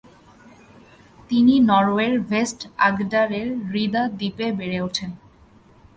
তিনি নরওয়ের ভেস্ট-আগডারের হিদ্রা দ্বীপে বেড়ে ওঠেন।